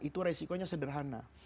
itu resikonya sederhana